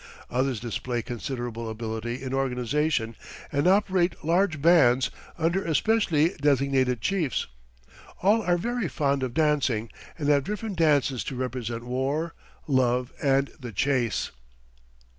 Others display considerable ability in organization and operate large bands, under especially designated chiefs. All are very fond of dancing and have different dances to represent war, love and the chase.